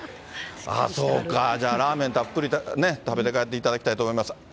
そうか、じゃあ、ラーメンたっぷり食べて帰っていただきたいと思います。